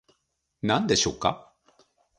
何でしょうか